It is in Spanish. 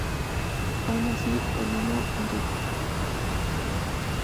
Aun así, el niño continuaba con sus estudios.